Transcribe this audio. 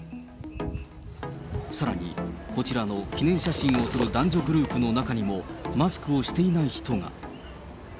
さらにこちらの記念写真を撮る男女グループの中にも、マスクをしていない人が。